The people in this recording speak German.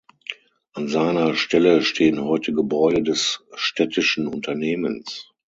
An seiner Stelle stehen heute Gebäude des städtischen Unternehmens.